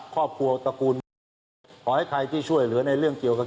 ตระกูลขอให้ใครที่ช่วยเหลือในเรื่องเกี่ยวกับ